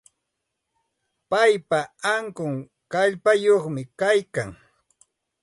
Paypa ankun kallpayuqmi kaykan.